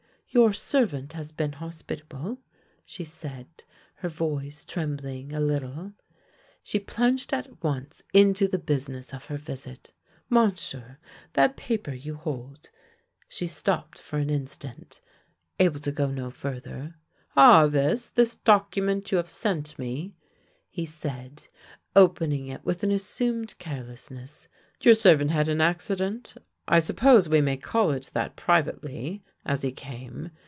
" Your servant has been hospitable," she said, her voice trembling a little. She plunged at once into the business of her visit. " Monsieur, that paper you hold —" She stopped for an instant, able to go no further. " Ah, this — this document you have sent me," he said, opening it with an assumed carelessness. " Your servant had an accident — I suppose we may call it that privately — as he came.